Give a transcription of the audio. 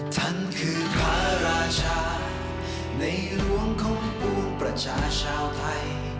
ท่านคือพระราชาในหลวงของปวงประชาชาวไทย